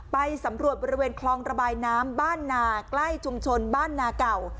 ไปสำรวจบริเวณคลองระบายน้ำบ้านนาใกล้ชุมชนบ้านนาเก่า